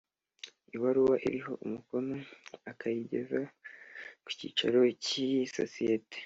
Ibaruwa iriho umukono akayigeza ku cyicaro cy i sosiyete